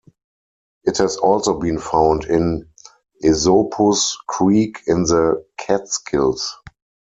It has also been found in Esopus Creek in the Catskills.